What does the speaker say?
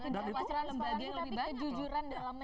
dan itu kejujuran dalam mencatat